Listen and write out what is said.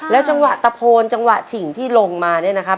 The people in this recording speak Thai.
จังหวะตะโพนจังหวะฉิ่งที่ลงมาเนี่ยนะครับ